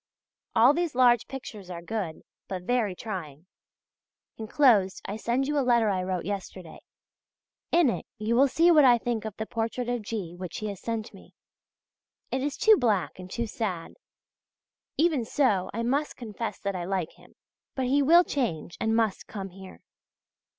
All these large pictures are good, but very trying. Enclosed I send you a letter I wrote yesterday. In it you will see what I think of the portrait of G. which he has sent me. It is too black and too sad. Even so, I must confess that I like him. But he will change and must come here.